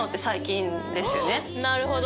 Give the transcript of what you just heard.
なるほど。